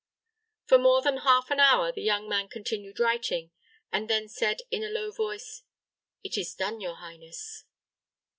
For more than half an hour the young man continued writing, and then said, in a low voice, "It is done, your highness."